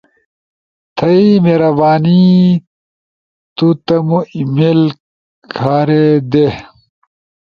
تھئی مہربانی ا تمو ای میل کھارے دے۔